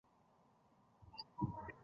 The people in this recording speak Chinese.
双方暂时休战。